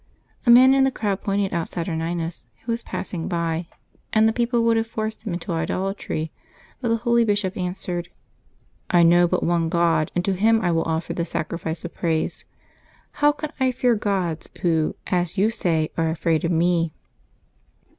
A man in the crowd pointed out Saturninus, who was passing by, and the people would have forced him to idolatry ; but the holy bishop answered :'' I know but one God, and to Him I will offer the sacrifice of praise. How can I fear gods who, as you say, are afraid of me